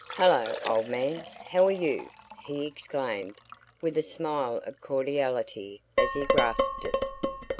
"Hello, old man! How are you?" he exclaimed with a smile of cordiality as he grasped it.